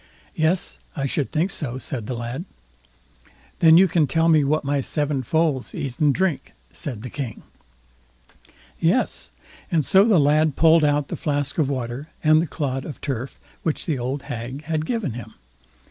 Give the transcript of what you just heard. "Yes, I should think so", said the lad. "Then you can tell me what my seven foals eat and drink", said the King. "Yes!" and so the lad pulled out the flask of water and the clod of turf, which the old hag had given him.